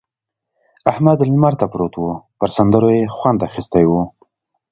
احمد لمر ته پروت وو؛ پر سندرو يې خوند اخيستی وو.